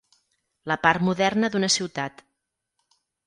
La part moderna d'una ciutat.